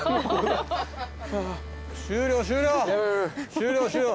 終了終了。